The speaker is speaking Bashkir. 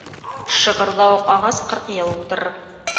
Шығырҙауыҡ ағас ҡырҡ йыл ултырыр.